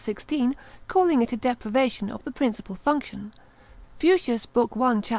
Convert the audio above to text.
calling it a depravation of the principal function: Fuschius, lib. 1. cap.